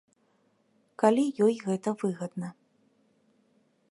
Калі ёй гэта выгадна.